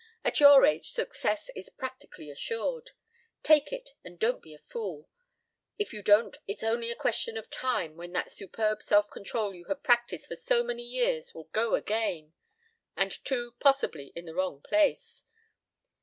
At your age success is practically assured. Take it, and don't be a fool. If you don't it's only a question of time when that superb self control you have practised for so many years will go again. And, too possibly, in the wrong place.